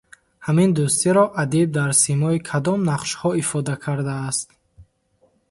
Ҳамин дӯстиро адиб дар симои кадом нақшҳо ифода кардааст?